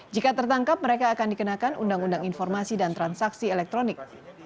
jika tertangkap mereka akan dikenakan undang undang informasi dan transaksi elektronik